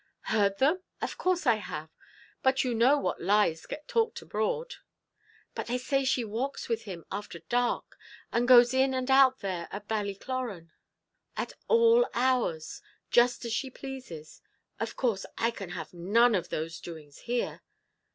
"Heard them! of course I have but you know what lies get talked abroad." "But they say she walks with him after dark; and goes in and out there at Ballycloran, at all hours, just as she pleases. Of course I can have none of those doings here."